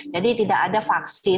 jadi tidak ada vaksin